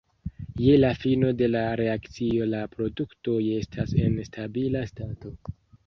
Je la fino de la reakcio la produktoj estas en stabila stato.